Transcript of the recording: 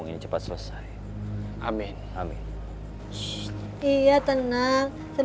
tidak usah mas